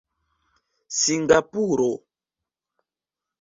singapuro